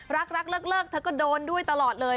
รักรักเลิกเธอก็โดนด้วยตลอดเลย